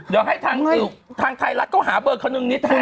เดี๋ยวให้ทางไทยรัฐเขาหาเบอร์คนนึงนิดให้